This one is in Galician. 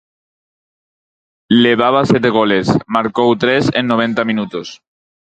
Levaba sete goles, marcou tres en noventa minutos.